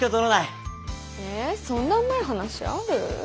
えそんなうまい話ある？